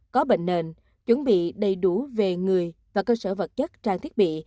có bệnh nền chuẩn bị đầy đủ về người và cơ sở vật chất trang thiết bị